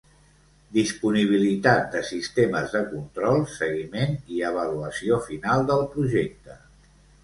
Disponibilitat de sistemes de control, seguiment i avaluació final del projecte.